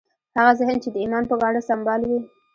هغه ذهن چې د ایمان په ګاڼه سمبال وي